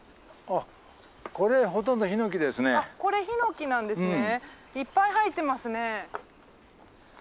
あっこれヒノキなんですね？